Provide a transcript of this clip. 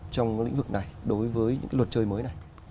trong lĩnh vực này đối với những luật chơi mới này